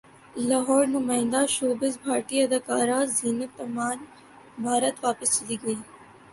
لاہورنمائندہ showbiz بھارتی اداکارہ زینت امان بھارت واپس چلی گئیں